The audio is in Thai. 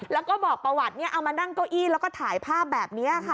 แล้วก็บอกประวัติเอามานั่งเก้าอี้แล้วก็ถ่ายภาพแบบนี้ค่ะ